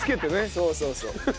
そうそうそう。